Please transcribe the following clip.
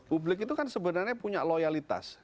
publik itu kan sebenarnya punya loyalitas